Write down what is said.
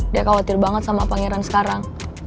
dia khawatir banget sama pangeran sekarang